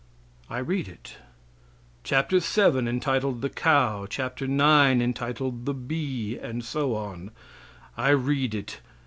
I read it. Chapter VII, entitled "The Cow," chapter IX, entitled "The Bee," and so on. I read it.